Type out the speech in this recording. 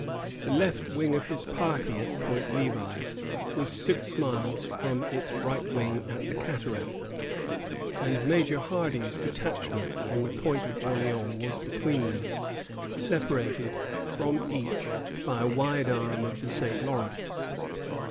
The left wing of his army at Point Levi was six miles from its right wing at the cataract, and Major Hardy's detachment on the Point of Orleans was between them, separated from each by a wide arm of the St. Lawrence.